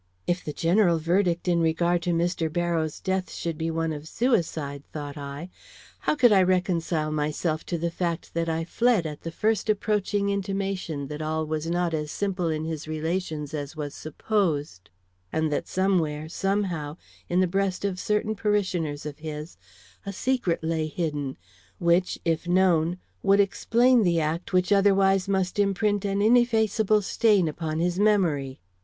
"If the general verdict in regard to Mr. Barrows' death should be one of suicide," thought I, "how could I reconcile myself to the fact that I fled at the first approaching intimation that all was not as simple in his relations as was supposed, and that somewhere, somehow, in the breast of certain parishioners of his, a secret lay hidden, which, if known, would explain the act which otherwise must imprint an ineffaceable stain upon his memory?"